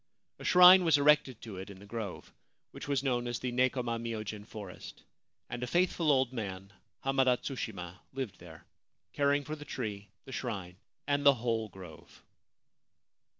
A shrine was erected to it in the grove, which was known as the Nekoma myojin forest ; and a faithful old man, Hamada Tsushima, lived there, caring for the tree, the shrine, and the whole grove.